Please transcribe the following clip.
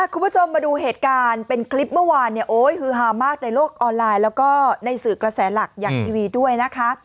คุณผู้ชมมาดูเหตุการณ์เป็นคลิปเมื่อวานเนี่ยโอ๊ยฮือฮามากในโลกออนไลน์แล้วก็ในสื่อกระแสหลักอย่างทีวีด้วยนะคะ